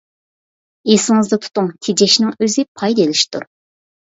ئېسىڭىزدە تۇتۇڭ: تېجەشنىڭ ئۆزى پايدا ئېلىشتۇر.